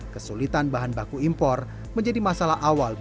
kesulitan bahan baku impor menjadi masalah awal